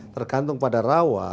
tergantung pada rawa